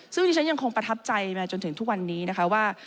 ซึ่งที่ฉันยังคงประทับใจมาจนถึงทุกวันนี้นะคะว่า